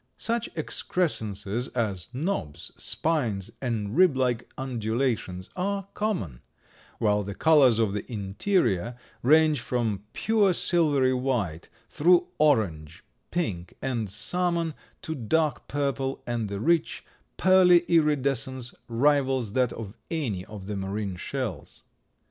Such excrescences as knobs, spines and rib like undulations are common, while the colors of the interior range from pure silvery white through orange, pink and salmon to dark purple, and the rich, pearly iridescence rivals that of any of the marine shells.